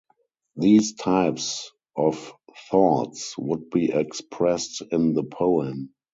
These types of thoughts would be expressed in the poem.